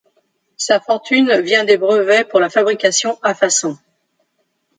Sa fortune vient des brevets pour la fabrication à façon.